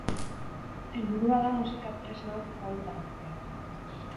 Helburua da musika tresnaok ezagutaraztea.